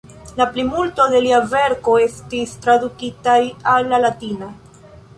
La plimulto de lia verko estis tradukitaj al la latina.